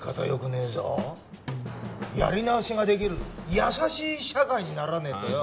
やり直しができる優しい社会にならねえとよ。